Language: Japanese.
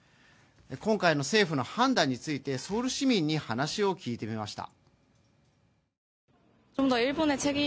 今回の政府の判断についてソウル市民に話を聞いてみました。